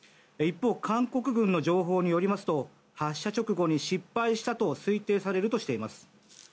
一方、韓国軍の情報によりますと発射直後に失敗したと推定されるとしています。